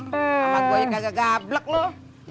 sama gue juga gak gablek loh